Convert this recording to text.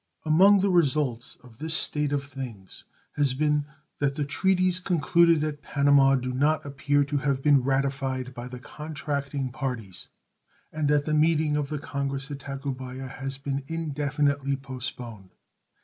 Among the results of this state of things has been that the treaties concluded at Panama do not appear to have been ratified by the contracting parties, and that the meeting of the congress at Tacubaya has been indefinitely postponed.